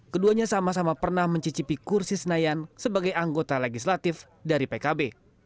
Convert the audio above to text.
keduanya sama sama pernah mencicipi kursi senayan sebagai anggota legislatif dari pkb